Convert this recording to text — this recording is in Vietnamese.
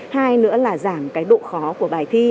hai nữa là giảm cái độ khó của bài thi